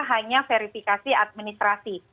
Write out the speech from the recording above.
hanya verifikasi administrasi